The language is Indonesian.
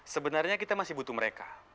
sebenarnya kita masih butuh mereka